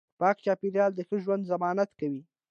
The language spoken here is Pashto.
پاک چاپیریال د ښه ژوند ضمانت کوي